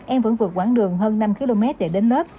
em vẫn vượt quãng đường hơn năm km để đến lớp